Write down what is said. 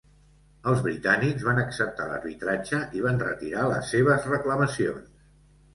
Els britànics van acceptar l'arbitratge i van retirar les seves reclamacions.